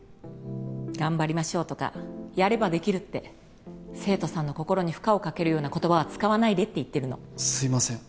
頑張りましょうとかやればできるって生徒さんの心に負荷をかけるような言葉は使わないでって言ってるのすいません